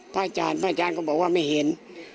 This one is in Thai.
พระอาจารย์ก็บอกว่าไม่เห็น